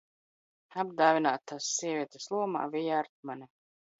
Apdāvinātas sievietes lomā: Vija Artmane.